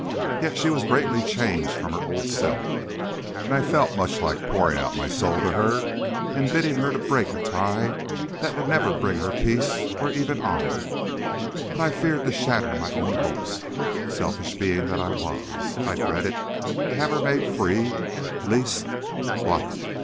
Yet she was greatly changed from her old self, and I felt much like pouring out my soul to her and bidding her to break a tie that would never bring her peace, or even honor. But I feared to shatter my own hopes. Selfish being that I was, I dreaded to have her made free, lest What?